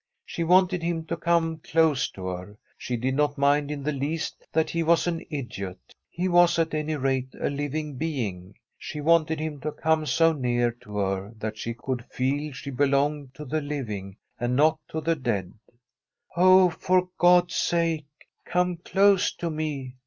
She wanted him to come close to her. She did not mind in the least that he was an idiot. He was, [44l Tbi STORY of a COUNTRY HOUSE at any rate, a living being. She wanted him to come so near to her that she could feel she be longed to the living and not to the dead. * Oh, for God's sake, come close to me